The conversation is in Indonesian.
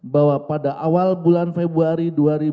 bahwa pada awal bulan februari dua ribu sepuluh